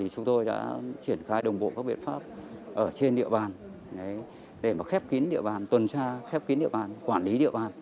chúng tôi đã triển khai đồng bộ các biện pháp ở trên địa bàn để khép kín địa bàn tuần tra khép kín địa bàn quản lý địa bàn